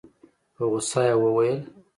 په غوسه يې وويل.